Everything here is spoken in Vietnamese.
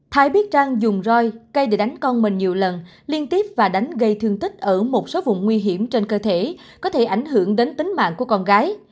thái biết trang dùng roi cây để đánh con mình nhiều lần liên tiếp và đánh gây thương tích ở một số vùng nguy hiểm trên cơ thể có thể ảnh hưởng đến tính mạng của con gái